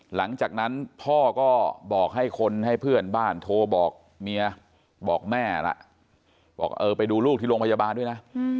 หลังจากนั้นพ่อก็บอกให้คนให้เพื่อนบ้านโทรบอกเมียบอกแม่ล่ะบอกเออไปดูลูกที่โรงพยาบาลด้วยนะ